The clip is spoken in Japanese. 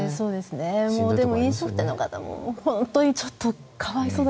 でも飲食店の方も本当にちょっと可哀想で。